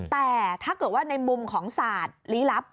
แต่ถ้าเกิดว่าในมุมของศาสตร์ลี้ลับ